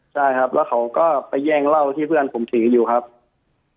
ใช่ครับแล้วเขาก็ไปแย่งเหล้าที่เพื่อนผมถืออยู่ครับ